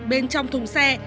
bên trong thùng xe